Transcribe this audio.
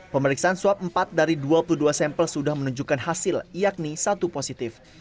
pemeriksaan swab empat dari dua puluh dua sampel sudah menunjukkan hasil yakni satu positif